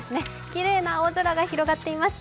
きれいな青空が広がっています。